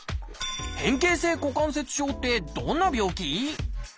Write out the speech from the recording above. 変形性股関節症ってどんな病気？